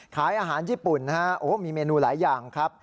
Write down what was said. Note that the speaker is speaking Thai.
ขายอาหารญี่ปุ่นนะฮะโอ้มีเมนูหลายอย่างครับ